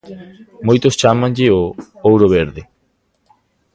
Moitos chámanlle o 'ouro verde'.